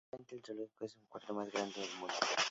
Actualmente el zoológico es el cuarto más grande del mundo.